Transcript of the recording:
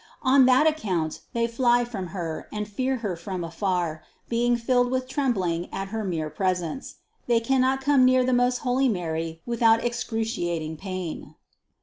On that account they fly from Her and fear Her from afar, being filled with trembling at her mere presence. They cannot come near the most holy Mary without excruciating pain.